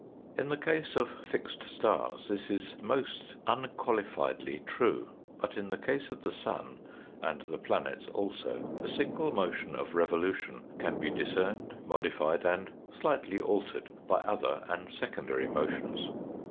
In the case of fixed stars this is most unqualifiedly true, but in the case of the sun, and the planets also, the single motion of revolution can be discerned, modified, and slightly altered by other and secondary motions.